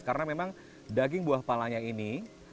karena memang daging buah palanya ini